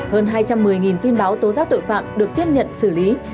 hơn hai trăm một mươi tin báo tố giác tội phạm được tiếp nhận xử lý